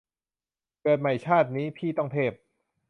เกิดใหม่ชาตินี้ พี่ต้องเทพ